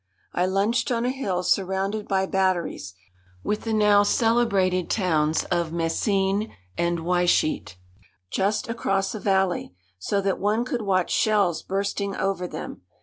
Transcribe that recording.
I lunched on a hill surrounded by batteries, with the now celebrated towns of Messines and Wytschaete just across a valley, so that one could watch shells bursting over them.